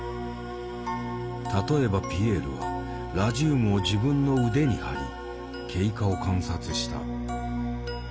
例えばピエールはラジウムを自分の腕に貼り経過を観察した。